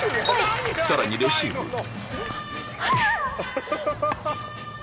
さらにレシーブハァ！